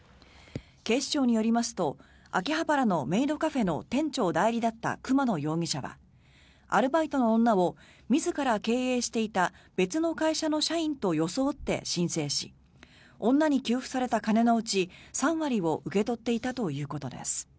警視庁によりますと秋葉原のメイドカフェの店長代理だった熊野容疑者はアルバイトの女を自ら経営していた別の会社の社員と装って申請し女に給付された金のうち３割を受け取っていたということです。